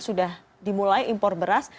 sudah dimulai impor beras